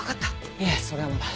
いえそれはまだ。